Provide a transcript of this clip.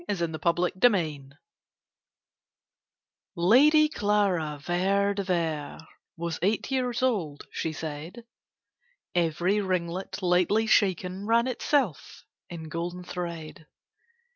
[Picture: The ghost] ECHOES LADY Clara Vere de Vere Was eight years old, she said: Every ringlet, lightly shaken, ran itself in golden thread.